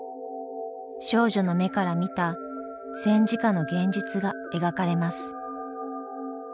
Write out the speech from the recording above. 少女の目から見た戦時下の現実が描かれます。